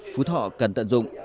phú thọ cần tận dụng